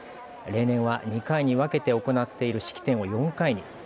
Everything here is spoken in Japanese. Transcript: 例年は２回に分けて行っている式典を４回に。